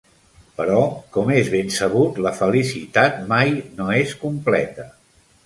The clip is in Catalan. Però, com és ben sabut, la felicitat mai no és completa.